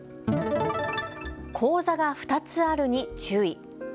口座が２つあるに注意。